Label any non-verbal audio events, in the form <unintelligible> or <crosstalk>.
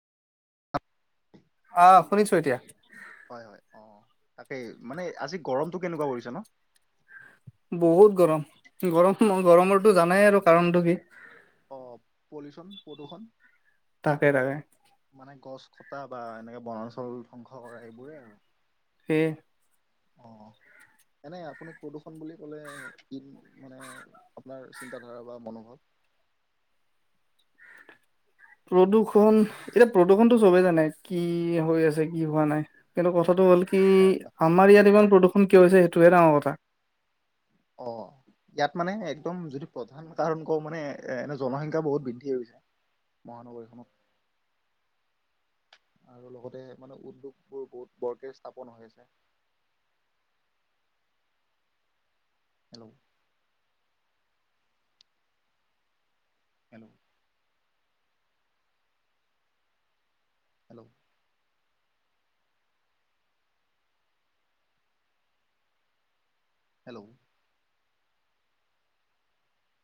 অ শুনিছো এতিয়া হয় হয় অ তাকেই মানে আজি গৰমটো কেনেকুৱা পৰিছে ন বহুত গৰম গৰম গৰমৰটো জানাই আৰু কাৰণটো কি দখন <unintelligible> তাকে তাকে মানে গছ কটা বা এনেকে বনাঞ্চল ধ্বংস কৰা এইবোৰে আৰু সেই অ এনে আপুনি প্ৰদূৰষণ বুলি ক'লে কি মানে আপোনাৰ চিন্ত ধাৰা বা মনোভাৱ <unintelligible> <inaudible> প্ৰদূৰ্ষণ এতিয়া প্ৰদূৰ্ষণতটো চবে জানে কি হৈ আছে কি হোৱা নাই কিন্তু কথাটো হ'ল কি কি হয় হয় আমাৰ ইয়াত ইমান প্ৰদূষণ কিয় হৈছে সেইটোহে ডাঙৰ কথা অ ইয়াত মানে একদম যদি প্ৰধান কাৰণ কওঁ মানে এ এনে জনসংখ্যা বহুত বৃদ্ধি গৈছে মহানগৰীখনত আৰু লগতে মানে উদ্যোগবোৰ বহুত বৰকে স্থাপন হৈ আছে <unintelligible> <inaudible> হেল্ল' হেল্ল' হেল্ল' হেল্ল'